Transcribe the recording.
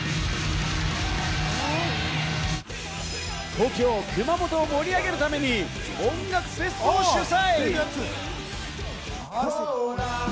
故郷・熊本を盛り上げるために音楽フェスを主催。